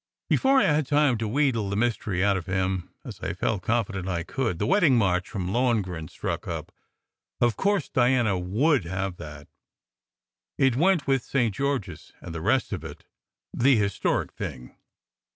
Before I had time to wheedle the mystery out of him (as I felt confident I could) the " Wedding March "from Lohen grin struck up. Of course, Diana would have that ! It went with St. George s and the rest of it: the "historic" thing.